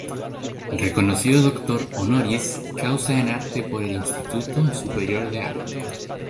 Reconocido Doctor Honoris Causa en Arte por el Instituto Superior de Arte.